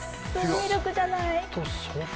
ミルクじゃない。